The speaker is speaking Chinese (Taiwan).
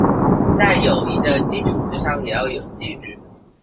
在友誼的基礎之上也要有紀律